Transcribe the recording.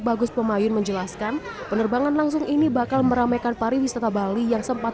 bagus pemayun menjelaskan penerbangan langsung ini bakal meramaikan pariwisata bali yang sempat